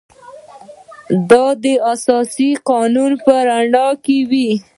دا د اساسي قانون په رڼا کې وي.